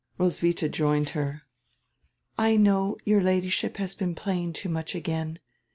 Roswitha joined her. "I know, your Ladyship has been playing too much again.